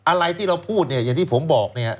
อะไรที่เราพูดเนี่ยอย่างที่ผมบอกเนี่ย